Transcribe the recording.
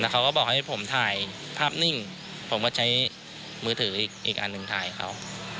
เขาก็บอกให้ผมถ่ายภาพนิ่งผมก็ใช้มือถืออีกอันหนึ่งถ่ายเขา